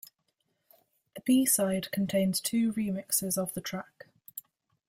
The b-side contained two remixes of the track.